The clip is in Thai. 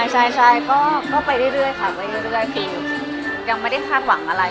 ใช่ก็ไปเรื่อยคือยังไม่ได้คาดหวังอะไร